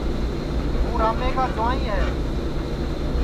ہوں رامے کا جُوائیں ہے